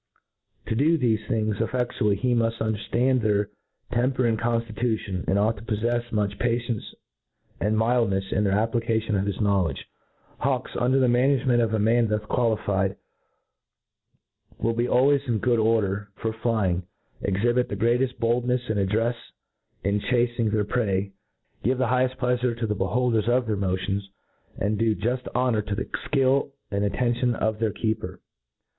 To do thcfe tilings ;effcaually, he muft imderftand their tern * per and conftitutjon, and ought to poffcfs much patience and mildnefs in. the application of his knowledge. Hawks, under the management of ji ji\aatiius qualified, will be always in good or der. MODERN FAULCONRY. 123 . dei for flying, exhibit the greateft boldncfs and addrcfs in chacing their prey, givp the higheft plcafute to the beholders of their motions, ^nd do juft honour to the fluU and attention of their keeper.